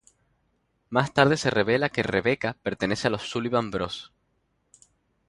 Más tarde se revela que Rebecca pertenece a los Sullivan Bros.